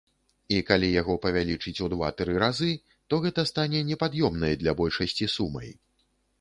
І калі яго павялічыць ў два-тры разы, то гэта стане непад'ёмнай для большасці сумай.